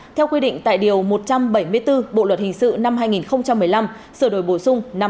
theo quy định tại điều một trăm bảy mươi bốn bộ luật hình sự năm hai nghìn một mươi năm sửa đổi bổ sung năm hai nghìn một mươi bảy